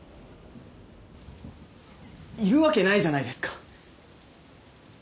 いるわけないじゃないですか！